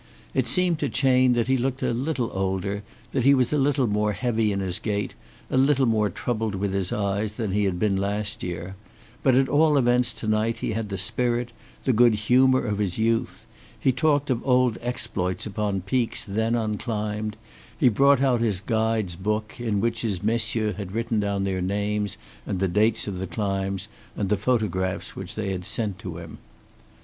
It seemed to Chayne that he looked a little older, that he was a little more heavy in his gait, a little more troubled with his eyes than he had been last year. But at all events to night he had the spirit, the good humor of his youth. He talked of old exploits upon peaks then unclimbed, he brought out his guide's book, in which his messieurs had written down their names and the dates of the climbs, and the photographs which they had sent to him.